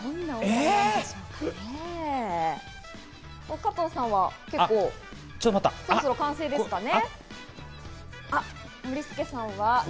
加藤さんはそろそろ完成ですかね。